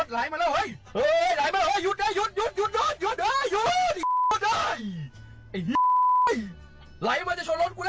ไหวไหวมันจะชนรถกูแล้ว